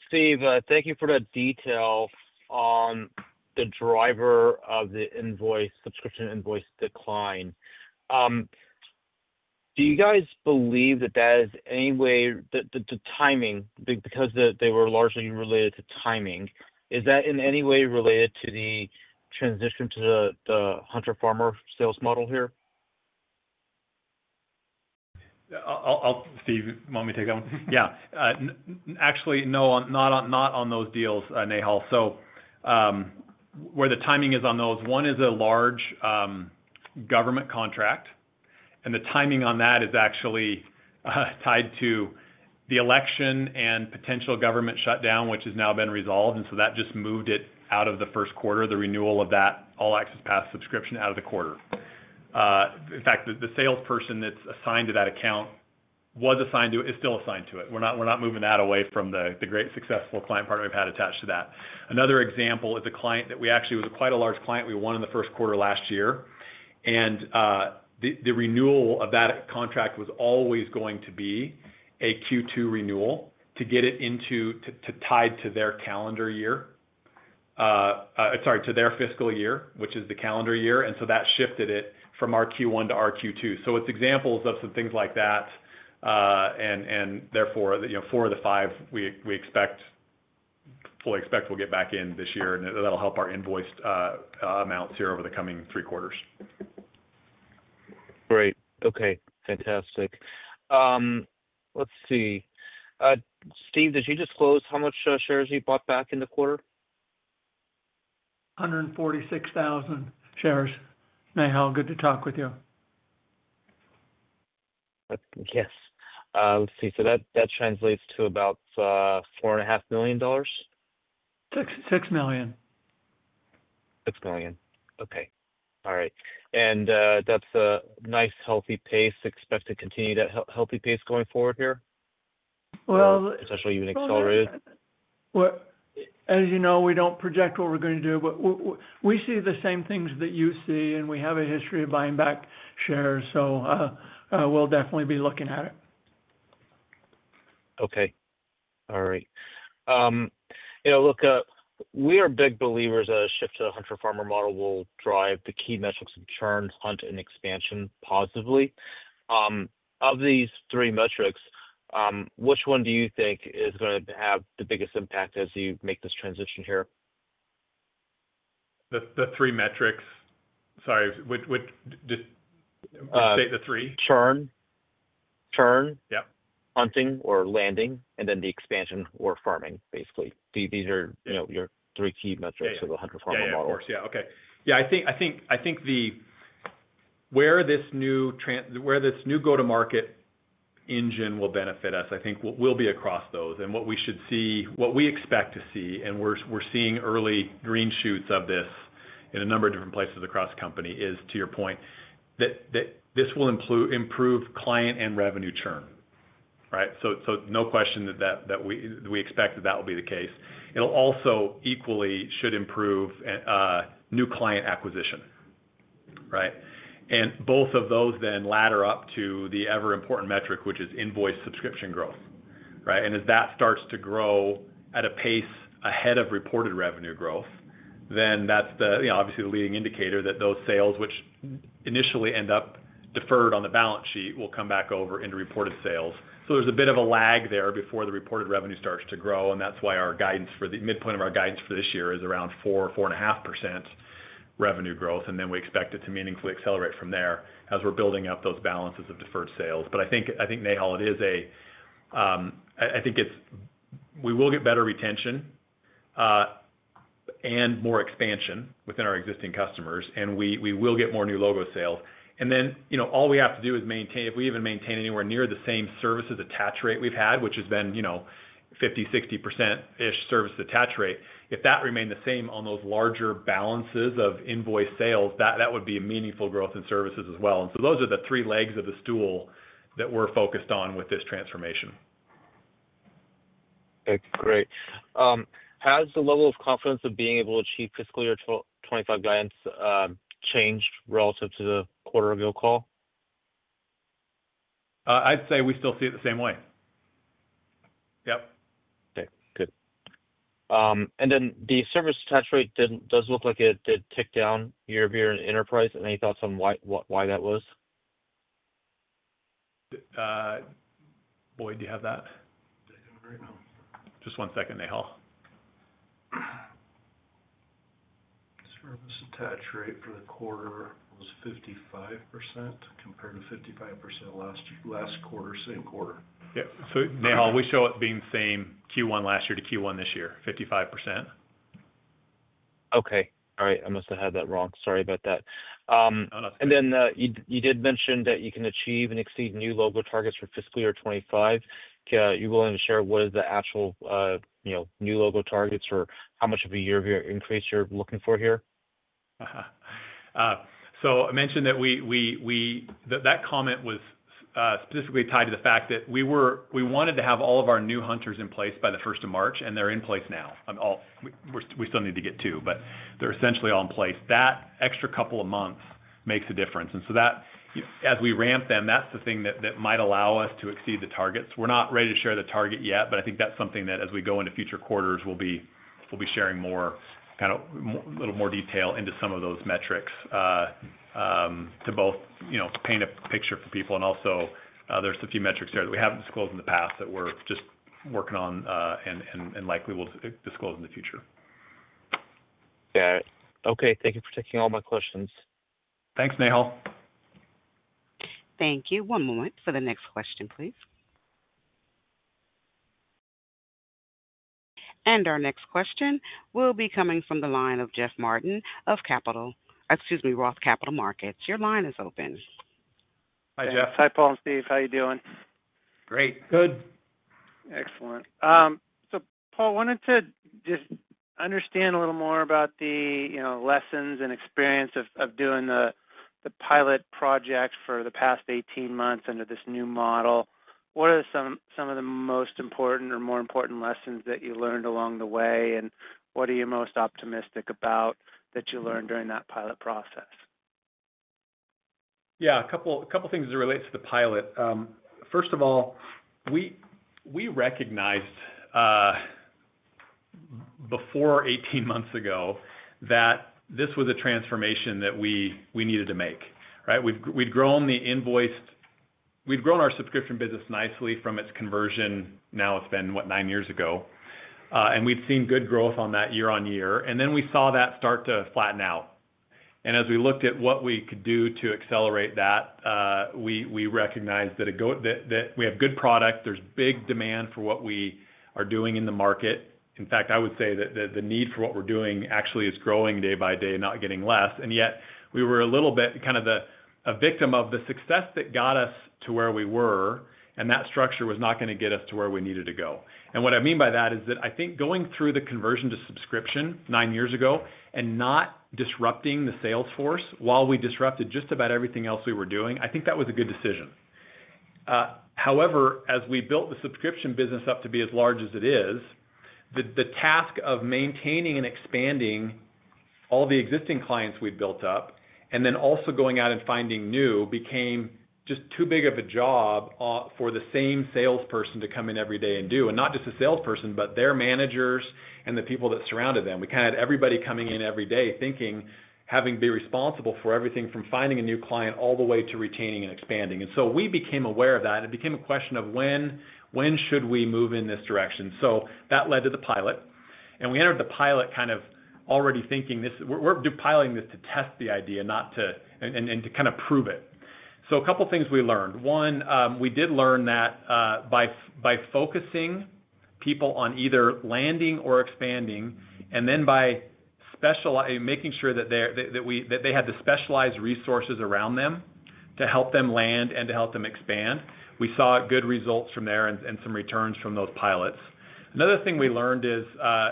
Steve, thank you for the detail on the driver of the subscription invoice decline. Do you guys believe that that is any way the timing, because they were largely related to timing? Is that in any way related to the transition to the Hunter Farmer sales model here? Steve, you want me to take that one? Yeah. Actually, no, not on those deals, Nihal. So where the timing is on those, one is a large government contract, and the timing on that is actually tied to the election and potential government shutdown, which has now been resolved. And so that just moved it out of the first quarter, the renewal of that All Access Pass subscription out of the quarter. In fact, the salesperson that's assigned to that account was assigned to it, is still assigned to it. We're not moving that away from the great successful client partner we've had attached to that. Another example is a client that we actually was quite a large client. We won in the first quarter last year. And the renewal of that contract was always going to be a Q2 renewal to get it into to tie to their calendar year sorry, to their fiscal year, which is the calendar year. And so that shifted it from Q1 to Q2. So it's examples of some things like that. And therefore, four of the five we fully expect we'll get back in this year, and that'll help our invoice amounts here over the coming three quarters. Great. Okay. Fantastic. Let's see. Steve, did you disclose how much shares you bought back in the quarter? 146,000 shares. Nihal, good to talk with you. Yes. Let's see. So that translates to about $4.5 million? $6 million. $6 million. Okay. All right. And that's a nice healthy pace. Expect to continue that healthy pace going forward here? Well. Especially even accelerated? As you know, we don't project what we're going to do, but we see the same things that you see, and we have a history of buying back shares, so we'll definitely be looking at it. Okay. All right. Look, we are big believers that a shift to the Hunter Farmer model will drive the key metrics of churn, hunt, and expansion positively. Of these three metrics, which one do you think is going to have the biggest impact as you make this transition here? The three metrics. Sorry. State the three. Churn. Hunting or landing, and then the expansion or farming, basically. These are your three key metrics of the Hunter Farmer model. Yeah. Yeah. Okay. Yeah. I think where this new go-to-market engine will benefit us, I think, will be across those. And what we should see, what we expect to see, and we're seeing early green shoots of this in a number of different places across the company, is to your point that this will improve client and revenue churn, right? So no question that we expect that that will be the case. It'll also equally should improve new client acquisition, right? And both of those then ladder up to the ever-important metric, which is invoice subscription growth, right? And as that starts to grow at a pace ahead of reported revenue growth, then that's obviously the leading indicator that those sales, which initially end up deferred on the balance sheet, will come back over into reported sales. So there's a bit of a lag there before the reported revenue starts to grow, and that's why our guidance for the midpoint of our guidance for this year is around 4-4.5% revenue growth. And then we expect it to meaningfully accelerate from there as we're building up those balances of deferred sales. But I think, Nihal, it is. I think we will get better retention and more expansion within our existing customers, and we will get more new logo sales. And then all we have to do is maintain, if we even maintain anywhere near the same service attach rate we've had, which has been 50%-60%-ish service attach rate, if that remained the same on those larger balances of invoice sales, that would be a meaningful growth in services as well. And so those are the three legs of the stool that we're focused on with this transformation. Okay. Great. Has the level of confidence of being able to achieve fiscal year 2025 guidance changed relative to the quarter of your call? I'd say we still see it the same way. Yep. Okay. Good. And then the service attach rate does look like it did tick down year over year in enterprise. Any thoughts on why that was? Boy, do you have that? Just one second, Nihal. Service attach rate for the quarter was 55% compared to 55% last quarter, same quarter. Yeah. So Nihal, we show it being same Q1 last year to Q1 this year, 55%. Okay. All right. I must have had that wrong. Sorry about that. And then you did mention that you can achieve and exceed new logo targets for fiscal year 2025. Are you willing to share what is the actual new logo targets or how much of a year-over-year increase you're looking for here? So I mentioned that that comment was specifically tied to the fact that we wanted to have all of our new hunters in place by the 1st of March, and they're in place now. We still need to get two, but they're essentially all in place. That extra couple of months makes a difference. And so as we ramp them, that's the thing that might allow us to exceed the targets. We're not ready to share the target yet, but I think that's something that as we go into future quarters, we'll be sharing more kind of a little more detail into some of those metrics to both paint a picture for people. And also there's a few metrics there that we haven't disclosed in the past that we're just working on and likely will disclose in the future. Yeah. Okay. Thank you for taking all my questions. Thanks, Nihal. Thank you. One moment for the next question, please. And our next question will be coming from the line of Jeff Martin of Capital, excuse me, Roth Capital Markets. Your line is open. Hi, Jeff. Hi, Paul and Steve. How are you doing? Great. Good. Excellent. So Paul, I wanted to just understand a little more about the lessons and experience of doing the pilot project for the past 18 months under this new model. What are some of the most important or more important lessons that you learned along the way, and what are you most optimistic about that you learned during that pilot process? Yeah. A couple of things that relate to the pilot. First of all, we recognized before 18 months ago that this was a transformation that we needed to make, right? We'd grown the invoiced—we'd grown our subscription business nicely from its conversion. Now it's been, what, nine years ago. And we'd seen good growth on that year on year. And then we saw that start to flatten out. And as we looked at what we could do to accelerate that, we recognized that we have good product. There's big demand for what we are doing in the market. In fact, I would say that the need for what we're doing actually is growing day by day, not getting less. And yet we were a little bit kind of a victim of the success that got us to where we were, and that structure was not going to get us to where we needed to go. And what I mean by that is that I think going through the conversion to subscription nine years ago and not disrupting the salesforce while we disrupted just about everything else we were doing, I think that was a good decision. However, as we built the subscription business up to be as large as it is, the task of maintaining and expanding all the existing clients we'd built up and then also going out and finding new became just too big of a job for the same salesperson to come in every day and do, and not just the salesperson, but their managers and the people that surrounded them. We kind of had everybody coming in every day thinking, having to be responsible for everything from finding a new client all the way to retaining and expanding, and so we became aware of that. It became a question of when should we move in this direction, so that led to the pilot, and we entered the pilot kind of already thinking this, we're piloting this to test the idea, not to, and to kind of prove it. So a couple of things we learned. One, we did learn that by focusing people on either landing or expanding, and then by making sure that they had the specialized resources around them to help them land and to help them expand, we saw good results from there and some returns from those pilots. Another thing we learned is,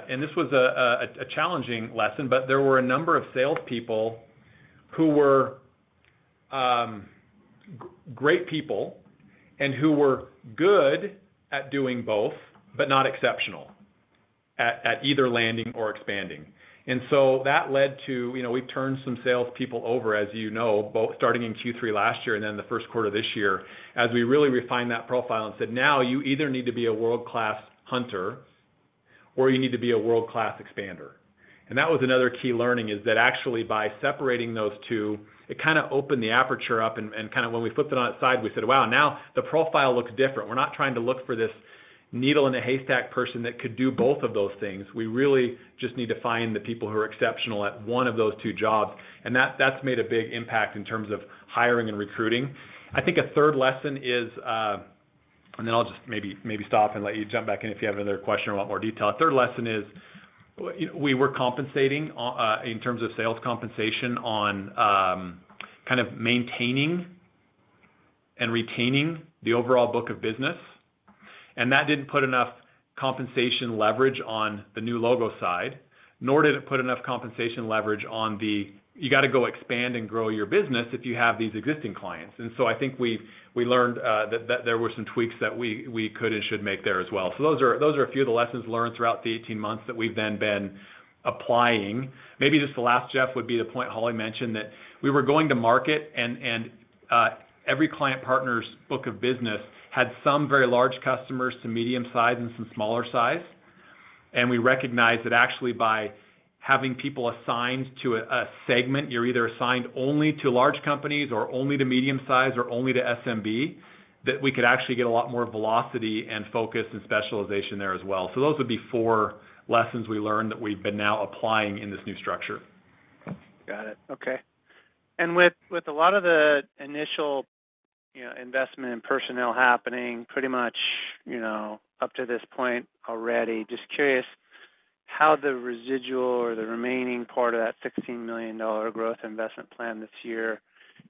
and this was a challenging lesson, but there were a number of salespeople who were great people and who were good at doing both, but not exceptional at either landing or expanding. And so that led to we turned some salespeople over, as you know, starting in Q3 last year and then the first quarter of this year, as we really refined that profile and said, "Now you either need to be a world-class hunter or you need to be a world-class expander." And that was another key learning is that actually by separating those two, it kind of opened the aperture up. And kind of when we flipped it on its side, we said, "Wow, now the profile looks different. We're not trying to look for this needle in a haystack person that could do both of those things. We really just need to find the people who are exceptional at one of those two jobs." And that's made a big impact in terms of hiring and recruiting. I think a third lesson is, and then I'll just maybe stop and let you jump back in if you have another question or want more detail. A third lesson is we were compensating in terms of sales compensation on kind of maintaining and retaining the overall book of business. And that didn't put enough compensation leverage on the new logo side, nor did it put enough compensation leverage on the, you got to go expand and grow your business if you have these existing clients. And so I think we learned that there were some tweaks that we could and should make there as well. So those are a few of the lessons learned throughout the 18 months that we've then been applying. Maybe just the last, Jeff, would be the point Holly mentioned that we were going to market, and every client partner's book of business had some very large customers, two medium size, and some smaller size, and we recognized that actually by having people assigned to a segment, you're either assigned only to large companies or only to medium size or only to SMB, that we could actually get a lot more velocity and focus and specialization there as well, so those would be four lessons we learned that we've been now applying in this new structure. Got it. Okay, and with a lot of the initial investment in personnel happening pretty much up to this point already, just curious how the residual or the remaining part of that $16 million growth investment plan this year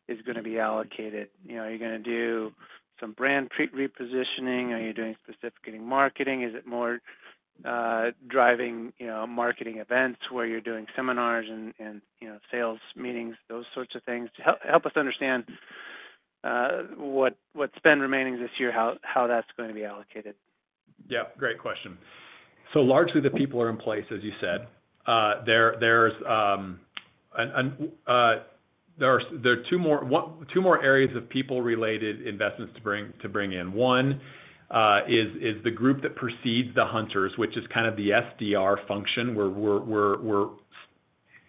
is going to be allocated. Are you going to do some brand repositioning? Are you doing specificity marketing? Is it more driving marketing events where you're doing seminars and sales meetings, those sorts of things? Help us understand what's been remaining this year, how that's going to be allocated. Yeah. Great question. So largely the people are in place, as you said. There are two more areas of people-related investments to bring in. One is the group that precedes the hunters, which is kind of the SDR function. We're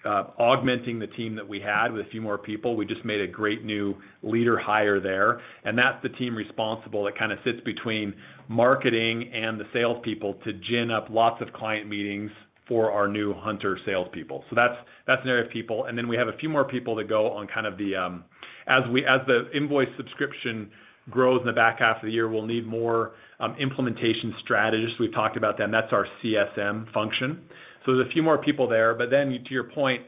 augmenting the team that we had with a few more people. We just made a great new leader hire there. And that's the team responsible that kind of sits between marketing and the salespeople to gin up lots of client meetings for our new hunter salespeople. So that's an area of people. And then we have a few more people that go on kind of the, as the invoice subscription grows in the back half of the year, we'll need more implementation strategists. We've talked about them. That's our CSM function. So there's a few more people there. But then, to your point,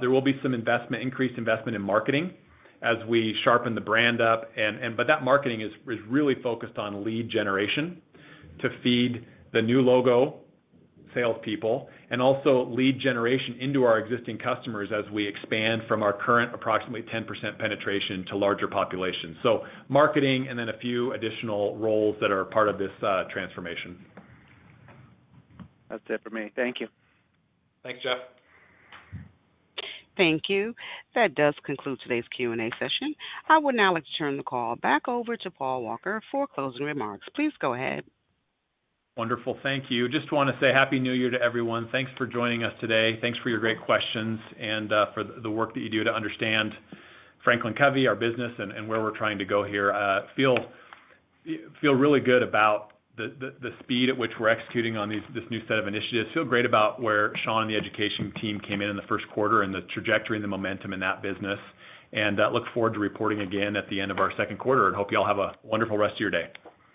there will be some increased investment in marketing as we sharpen the brand up. But that marketing is really focused on lead generation to feed the new logo salespeople and also lead generation into our existing customers as we expand from our current approximately 10% penetration to larger populations. So marketing and then a few additional roles that are part of this transformation. That's it for me. Thank you. Thanks, Jeff. Thank you. That does conclude today's Q&A session. I would now like to turn the call back over to Paul Walker for closing remarks. Please go ahead. Wonderful. Thank you. Just want to say happy New Year to everyone. Thanks for joining us today. Thanks for your great questions and for the work that you do to understand Franklin Covey, our business, and where we're trying to go here. Feel really good about the speed at which we're executing on this new set of initiatives. Feel great about where Sean and the education team came in in the first quarter and the trajectory and the momentum in that business. And look forward to reporting again at the end of our second quarter and hope you all have a wonderful rest of your day.